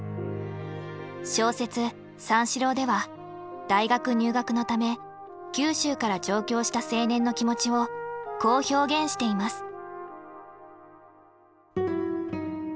小説「三四郎」では大学入学のため九州から上京した青年の気持ちをこう表現しています。